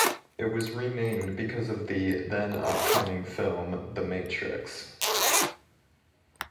It was renamed because of the then-upcoming film, "The Matrix".